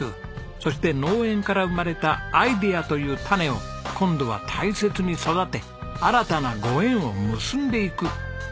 そして農園から生まれたアイデアという種を今度は大切に育て新たなご縁を結んでいく。